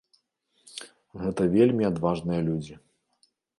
Гэта вельмі адважныя людзі.